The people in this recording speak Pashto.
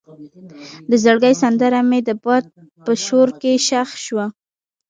د زړګي سندره مې د باد په شور کې ښخ شوه.